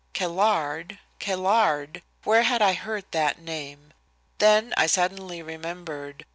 "Caillard? Caillard?" Where had I heard that name? Then I suddenly remembered.